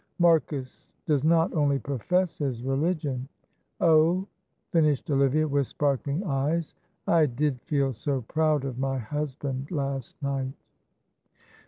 Marcus does not only profess his religion. Oh" finished Olivia, with sparkling eyes "I did feel so proud of my husband last night."